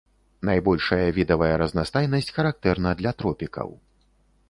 Найбольшая відавая разнастайнасць характэрна для тропікаў.